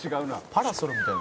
「パラソルみたい」